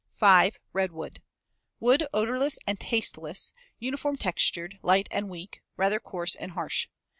5. Redwood. Wood odorless and tasteless, uniform textured, light and weak, rather coarse and harsh.